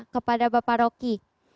kepada bapak rocky